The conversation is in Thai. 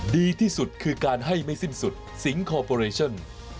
ดีที่สุดคือการให้ไม่สิ้นสุดสิงคอร์ปอเรชั่น